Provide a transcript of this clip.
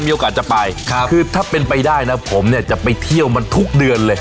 มีโอกาสจะไปคือถ้าเป็นไปได้นะผมเนี่ยจะไปเที่ยวมันทุกเดือนเลย